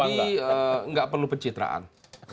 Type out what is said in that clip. jadi nggak perlu pencitraan